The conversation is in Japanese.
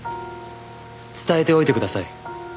伝えておいてください。